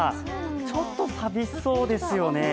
ちょっと寂しそうですよね。